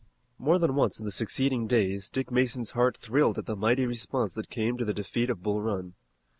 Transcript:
More than once in the succeeding days Dick Mason's heart thrilled at the mighty response that came to the defeat of Bull Run.